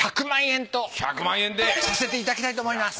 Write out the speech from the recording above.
１００万円とさせていただきたいと思います。